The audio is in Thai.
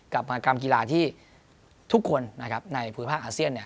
มหากรรมกีฬาที่ทุกคนในภูมิภาคอาเซียน